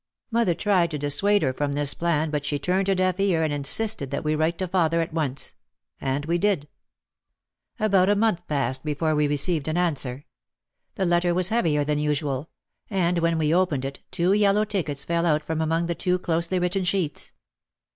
Mother tried to dissuade her from this plan but she turned a deaf ear and insisted that we write to father at once. And we did. 32 OUT OF THE SHADOW About a month passed before we received an answer. The letter was heavier than usual. And when we opened it, two yellow tickets fell out from among the two closely written sheets.